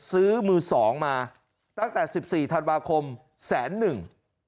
ซื้อมือสองมาตั้งแต่สิบสี่ธันวาคมแสนหนึ่ง